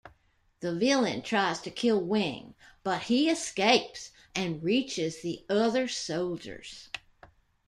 The villain tries to kill Wing, but he escapes and reaches the other Soldiers.